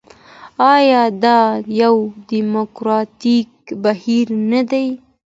آیا دا یو ډیموکراټیک بهیر نه دی؟